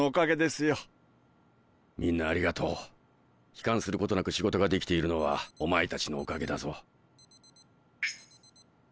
悲観することなく仕事ができているのはお前たちのおかげだぞ。